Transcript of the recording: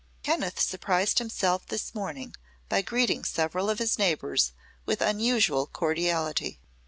Kenneth surprised himself this morning by greeting several of his neighbors with unusual cordiality.